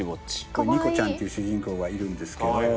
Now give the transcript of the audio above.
ニコちゃんっていう主人公がいるんですけど